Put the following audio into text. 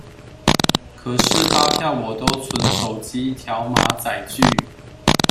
可是發票我都存手機條碼載具